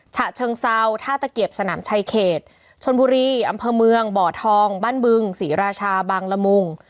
ฉะเชิงเซาท่าตะเกียบสนามชายเขตชนบุรีอำเภอเมืองบ่อทองบ้านบึงศรีราชาบางละมุง